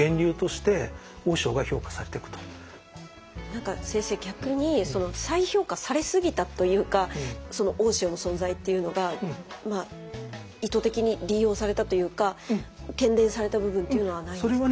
何か先生逆に再評価されすぎたというか大塩の存在っていうのが意図的に利用されたというか喧伝された部分っていうのはないんですか？